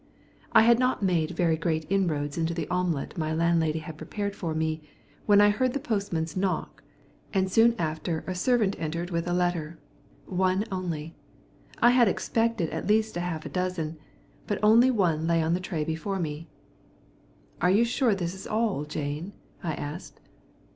I had not made very great inroads into the omelette my landlady had prepared for me when I heard the postman's knock, and soon after a servant entered with a letter. One only. I had expected at least half a dozen, but only one lay on the tray before me. "Are you sure this is all, Jane?" I asked.